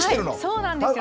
そうなんですよ。